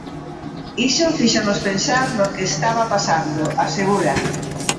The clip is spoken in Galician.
"Iso fíxonos pensar no que estaba pasando", asegura.